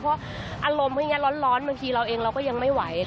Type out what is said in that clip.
เพราะอารมณ์พวกนี้ร้อนบางทีเราเองเราก็ยังไม่ไหว